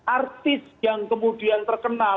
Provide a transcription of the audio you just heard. artis yang kemudian terkenal